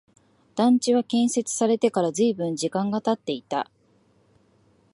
団地は建設されてから随分時間が経っていた